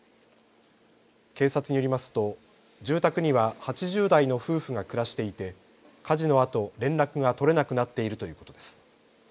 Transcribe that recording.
警察によりますと住宅には８０代の夫婦が暮らしていて火事のあと連絡が取れなくなっているということです。